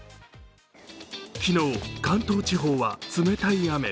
昨日、関東地方は冷たい雨。